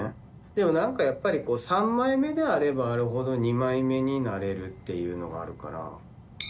でも何かやっぱり３枚目であればあるほど２枚目になれるっていうのがあるから。